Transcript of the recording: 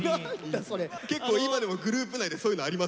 結構今でもグループ内でそういうのあります？